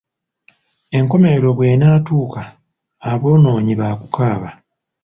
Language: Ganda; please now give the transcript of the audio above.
Enkomerero bw’enaatuuka, aboonoonyi baakukaaba.